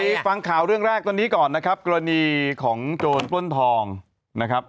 ฟังข่าวเรื่องแรกตอนนี้ก่อนนะครับกรณีของโจรปล้นทองนะครับ